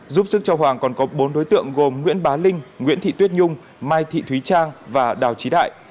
giúp sức cho hoàng còn có bốn đối tượng gồm nguyễn bá linh nguyễn thị tuyết nhung mai thị thúy trang và đào trí đại